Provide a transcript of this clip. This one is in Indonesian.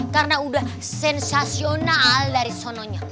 karena udah sensasional dari sononya